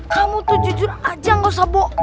kamu tuh jujur aja gausah boong